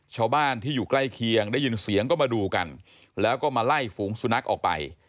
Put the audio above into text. ชาวบ้านที่อยู่ใกล้เคียงได้ยินเสียงก็มาดูกันแล้วก็มาไล่ฝูงสุนัขออกไป